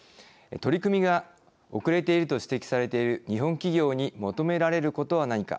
取り組みが遅れていると指摘されている日本企業に求められることは何か。